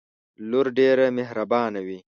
لور ډیره محربانه وی